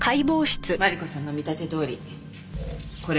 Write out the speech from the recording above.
マリコさんの見立てどおりこれが致命傷。